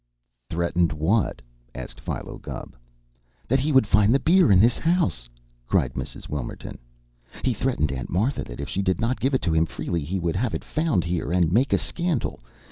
"Threatened what?" asked Philo Gubb. "That he would find the beer in this house!" cried Mrs. Wilmerton. "He threatened Aunt Martha that if she did not give it to him freely, he would have it found here, and make a scandal!